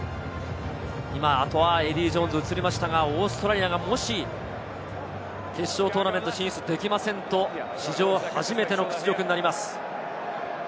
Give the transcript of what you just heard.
今、エディー・ジョーンズが映りましたが、オーストラリアがもし決勝トーナメント進出できないと、史上初めての屈辱になります。